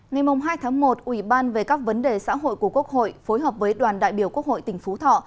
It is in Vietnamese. ngày hai tháng một ủy ban về các vấn đề xã hội của quốc hội phối hợp với đoàn đại biểu quốc hội tỉnh phú thọ